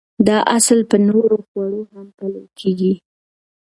دا اصل پر نورو خوړو هم پلي کېږي.